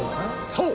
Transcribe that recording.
そう！